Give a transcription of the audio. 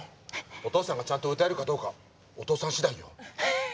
お父さんがちゃんと歌えるかどうかお父さん次第よ。